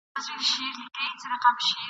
د اجل د ساقي ږغ ژوندون ته دام وو ..